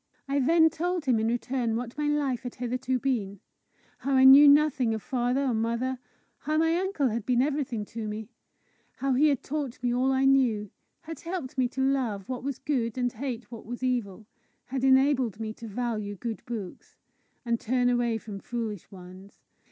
I then told him in return what my life had hitherto been; how I knew nothing of father or mother; how my uncle had been everything to me; how he had taught me all I knew, had helped me to love what was good and hate what was evil, had enabled me to value good books, and turn away from foolish ones.